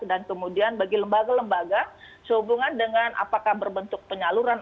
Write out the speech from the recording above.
dan kemudian bagi lembaga lembaga sehubungan dengan apakah berbentuk penyaluran